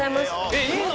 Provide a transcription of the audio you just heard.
えっいいの？